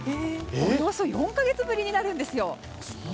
およそ４か月ぶりになるんですよ。